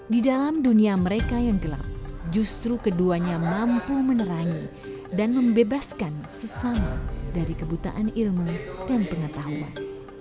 di dalam dunia mereka yang gelap justru keduanya mampu menerangi dan membebaskan sesama dari kebutaan ilmu dan pengetahuan